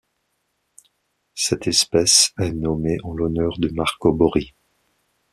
Cette espèce est nommée en l'honneur de Marco Borri.